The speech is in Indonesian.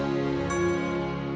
putri sus goreng